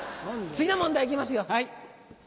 次の問題いきますよ！